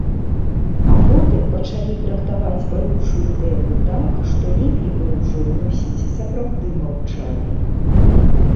А потым пачалі трактаваць балючую тэму так, што лепей бы ўжо, мусіць, сапраўды маўчалі.